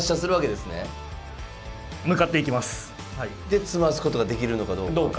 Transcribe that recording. で詰ますことができるのかどうか。